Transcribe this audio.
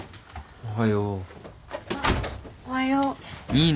おはよう。